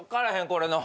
これの。